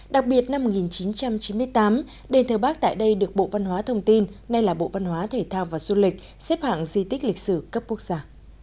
đặc biệt năm một nghìn chín trăm chín mươi tám đền thờ bắc tại đây được bộ văn hóa thông tin nay là bộ văn hóa thể thao và du lịch xếp hạng di tích lịch sử cấp quốc gia